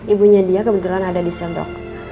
ibunya dia kebetulan ada di sem dok